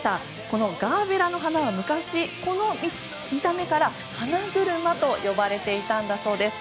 このガーベラの花は昔この見た目から花車と呼ばれていたんだそうです。